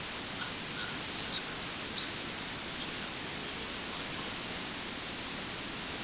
Ardura handia eskatzen duen zeregina da motxila egunero egokiro antolatzea.